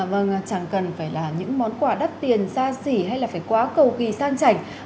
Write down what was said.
vâng chẳng cần phải là những món quà đắt tiền xa xỉ hay là phải quá cầu kỳ san chảnh